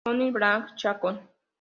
Tony y Blanca Chacón.